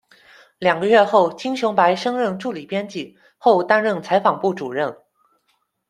两个月后，金雄白升任助理编辑，后担任采访部主任。